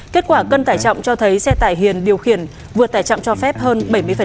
kết quả cân tải trọng cho thấy xe tải hiền điều khiển vượt tải trọng cho phép hơn bảy mươi